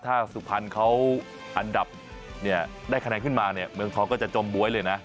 ถ้าสุพรรณเขาอันดับเนี่ยได้คะแนนขึ้นมาเนี่ยเมืองทองก็จะจมบ๊วยเลยนะ